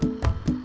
ya udah deh